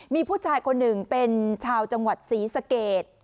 มีผู้ชายคนหนึ่งเป็นชาวจังหวัดศรีสเกต